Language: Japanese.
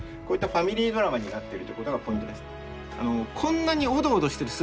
こういったファミリードラマになってるということがポイントです。